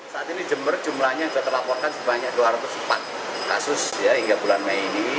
saat ini jember jumlahnya sudah terlaporkan sebanyak dua ratus empat kasus hingga bulan mei ini